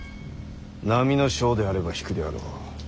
並の将であれば引くであろう。